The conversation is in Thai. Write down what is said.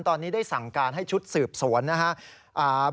ตอนนี้ได้สั่งการให้ชุดสืบสวนนะครับ